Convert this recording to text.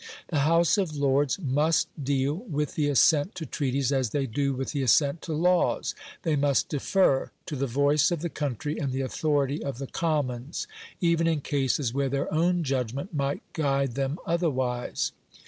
The House of Lords must deal with the assent to treaties as they do with the assent to laws; they must defer to the voice of the country and the authority of the Commons even in cases where their own judgment might guide them otherwise.